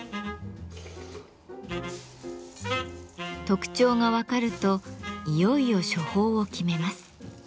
特徴が分かるといよいよ処方を決めます。